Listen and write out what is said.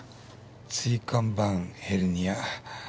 椎間板ヘルニア。